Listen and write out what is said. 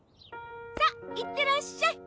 さあいってらっしゃい！